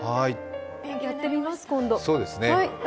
やってみます、今度。